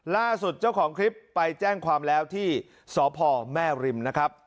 ล่าสุดเจ้าของคลิปไปแจ้งความแล้วที่สพแม่ริมนะครับ